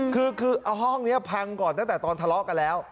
คือเอาห้องนี้พังก่อนตั้งแต่ตอนทะเลาะกันแล้ว